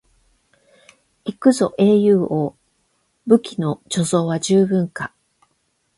行くぞ英雄王、武器の貯蔵は十分か？